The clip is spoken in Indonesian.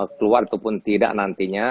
keluar itu pun tidak nantinya